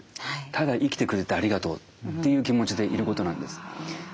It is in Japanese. ただ生きてくれてありがとう」という気持ちでいることなんです。